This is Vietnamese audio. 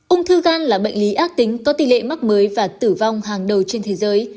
ung thư gan là bệnh lý ác tính có tỷ lệ mắc mới và tử vong hàng đầu trên thế giới